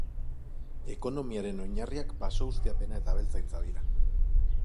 Ekonomiaren oinarriak baso ustiapena eta abeltzaintza dira.